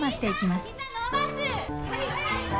はい！